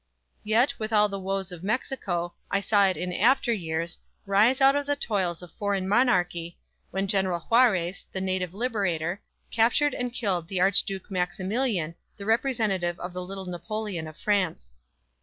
Yet, with all the woes of Mexico, I saw it in after years, rise out of the toils of foreign monarchy, when General Juarez, the native liberator, captured and killed the Archduke Maximilian, the representative of the Little Napoleon of France.